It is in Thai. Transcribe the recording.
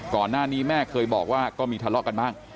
ก่อนหน้านี้แม่เคยบอกว่าก็มีทะเลาะกันบ้าง